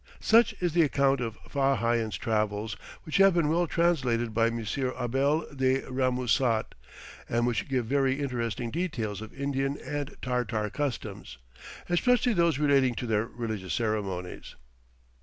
Such is the account of Fa Hian's travels, which have been well translated by M. Abel de Rémusat, and which give very interesting details of Indian and Tartar customs, especially those relating to their religious ceremonies.